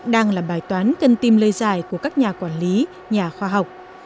đang là bài toán cân tim lây dài của các nhà quản lý nhà khoa học